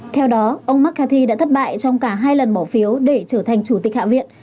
theo đó ông mccarthy đã thất bại trong cả hai lần bỏ phiếu để trở thành chủ tịch hạ viện